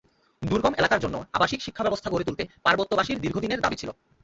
দুর্গম এলাকার জন্য আবাসিক শিক্ষাব্যবস্থা গড়ে তুলতে পার্বত্যবাসীর দীর্ঘদিনের দাবি ছিল।